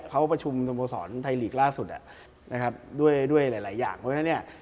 เขาประชุมสมโปรสรไทยลีกส์ล่าสุดด้วยหลายอย่างเพราะฉะนั้นเนี่ย